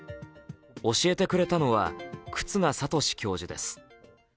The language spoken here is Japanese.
教えてくれたのは忽那賢志教授です。